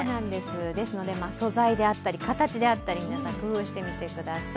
ですので、素材であったり形であったり、皆さん、工夫してみてください。